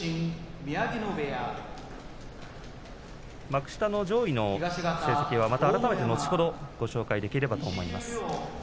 幕下の上位の成績はまた改めて後ほどご紹介できればと思います。